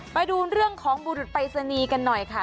ไปดูเรื่องของบุรุษปรายศนีย์กันหน่อยค่ะ